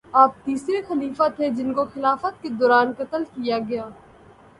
آپ تیسرے خلیفہ تھے جن کو خلافت کے دوران قتل کیا گیا